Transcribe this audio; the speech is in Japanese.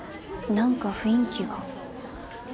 何か雰囲気が。